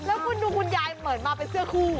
แล้วคุณดูคุณยายเหมือนมาเป็นเสื้อคู่